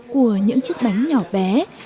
của những chiếc bánh nhỏ bé